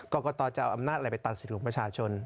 กรกตจะเอาอำนาจอะไรไปตัดสิทธิ์ของประชาชน